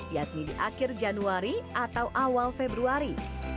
yakni di akhir januari atau awal februari